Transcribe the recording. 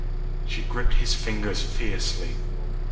She gripped his fingers fiercely.